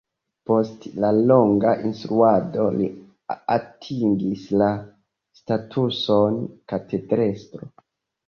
Post la longa instruado li atingis la statuson katedrestro.